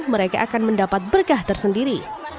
mereka akan mendapat berkah tersendiri